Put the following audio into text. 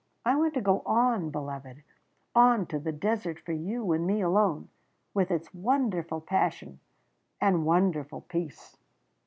I want to go on, beloved on to the desert for you and me alone, with its wonderful passion, and wonderful peace...."